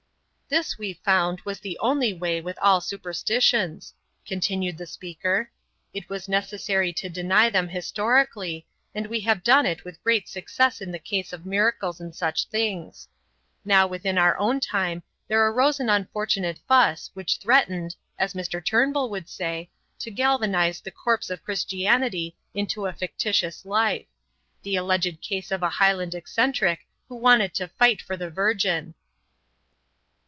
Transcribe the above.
"This, we found, was the only way with all superstitions," continued the speaker; "it was necessary to deny them historically, and we have done it with great success in the case of miracles and such things. Now within our own time there arose an unfortunate fuss which threatened (as Mr. Turnbull would say) to galvanize the corpse of Christianity into a fictitious life the alleged case of a Highland eccentric who wanted to fight for the Virgin."